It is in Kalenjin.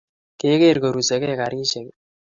Kegeer korusegeu karishek?